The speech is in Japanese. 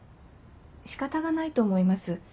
仕方がないと思います。